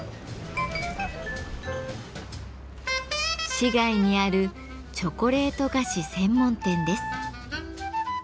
市街にあるチョコレート菓子専門店です。